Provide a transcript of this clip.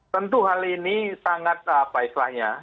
tentu hal ini sangat apa istilahnya